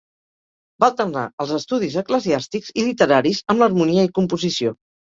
Va alternar els estudis eclesiàstics i literaris amb l'harmonia i composició.